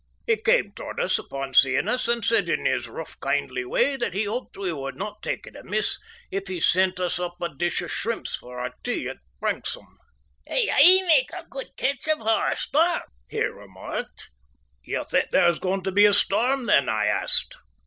He came towards us upon seeing us, and said in his rough, kindly way that he hoped we would not take it amiss if he sent us up a dish of shrimps for our tea at Branksome. "I aye make a good catch before a storm," he remarked. "You think there is going to be a storm, then?" I asked.